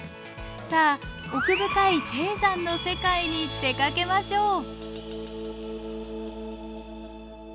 さあ奥深い低山の世界に出かけましょう。